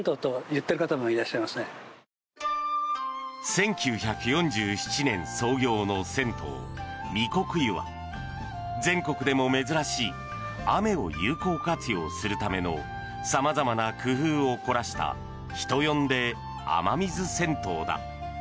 １９４７年創業の銭湯御谷湯は全国でも珍しい雨を有効活用するためのさまざまな工夫を凝らした人呼んで、雨水銭湯だ。